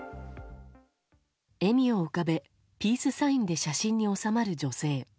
笑みを浮かべ、ピースサインで写真に納まる女性。